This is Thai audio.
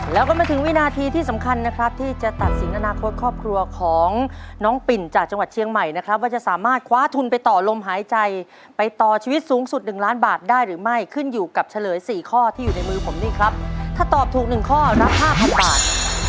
แล้วก็มาถึงวินาทีที่สำคัญนะครับที่จะตัดสินอนาคตครอบครัวของน้องปิ่นจากจังหวัดเชียงใหม่นะครับว่าจะสามารถคว้าทุนไปต่อลมหายใจไปต่อชีวิตสูงสุดหนึ่งล้านบาทได้หรือไม่ขึ้นอยู่กับเฉลยสี่ข้อที่อยู่ในมือผมนี่ครับถ้าตอบถูกหนึ่งข้อรับห้าพันบาท